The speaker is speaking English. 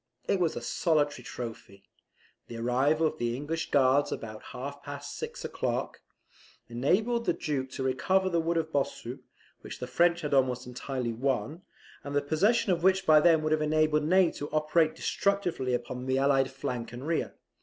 It was a solitary trophy. The arrival of the English Guards about half past six o'clock, enabled the Duke to recover the wood of Bossu, which the French had almost entirely won, and the possession of which by them would have enabled Ney to operate destructively upon the allied flank and rear.